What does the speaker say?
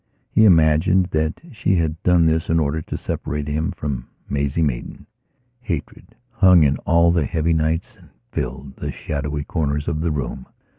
He imagined that she had done this in order to separate him from Maisie Maidan. Hatred hung in all the heavy nights and filled the shadowy corners of the room.